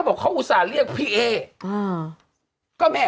ดันเสียงคึ้นหน่อย